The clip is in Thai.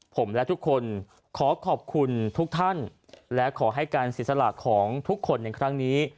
ผมและทุกคนขอขอบคุณทุกท่านและขอให้การเสียสละของทุกคนในครั้งนี้